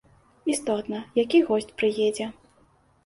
Істотна, які госць прыедзе.